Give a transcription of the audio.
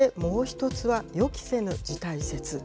そして、もう１つは予期せぬ事態説。